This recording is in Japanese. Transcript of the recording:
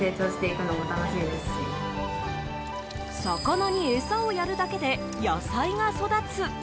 魚に餌をやるだけで野菜が育つ。